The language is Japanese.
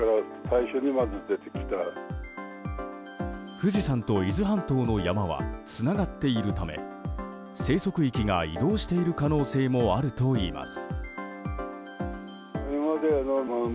富士山と伊豆半島の山はつながっているため生息域が移動している可能性もあるといいます。